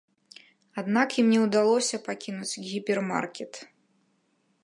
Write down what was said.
Аднак ім не ўдалося пакінуць гіпермаркет.